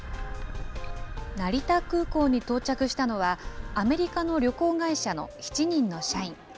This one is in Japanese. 成田空港に到着したのは、アメリカの旅行会社の７人の社員。